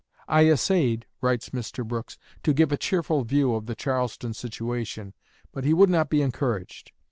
"I essayed," writes Mr. Brooks, "to give a cheerful view of the Charleston situation. But he would not be encouraged.